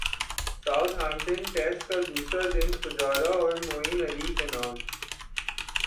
ساتھ Hampton test کا دوسرا دن پجارا اور معین علی کے نام